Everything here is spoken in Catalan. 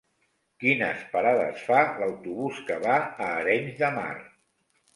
Quines parades fa l'autobús que va a Arenys de Mar?